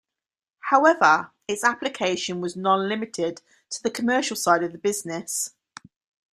However, its application was not limited to the commercial side of business.